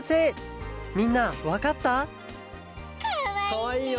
かわいいね！